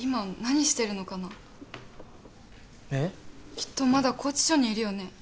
きっとまだ拘置所にいるよね。